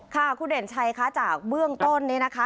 ค่ะคุณเด่นชัยคะจากเบื้องต้นนี้นะคะ